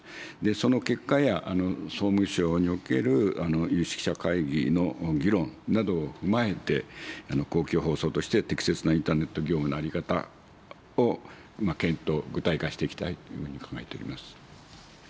その結果や、総務省における有識者会議の議論などを踏まえて、公共放送として、適切なインターネット業務の在り方を検討、具体化していきたいと考えております。